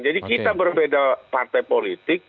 jadi kita berbeda partai politik